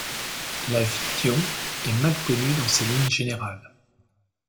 La vie d'Ion est mal connue dans ses lignes générales.